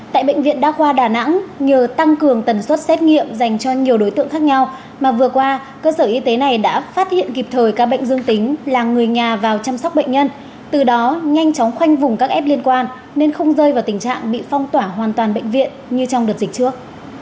tại bệnh viện đa khoa đà nẵng nhờ tăng cường tần suất xét nghiệm dành cho nhiều đối tượng khác nhau mà vừa qua cơ sở y tế này đã phát hiện kịp thời ca bệnh dương tính là người nhà vào chăm sóc bệnh nhân từ đó nhanh chóng khoanh vùng các f liên quan nên không rơi vào tình trạng bị phong tỏa hoàn toàn bệnh viện như trong đợt dịch trước